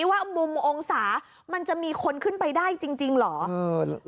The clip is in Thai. ว่ามุมองศามันจะมีคนขึ้นไปได้จริงเหรอ